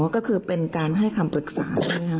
ก็คือเป็นการให้คำปรึกษาใช่ไหมคะ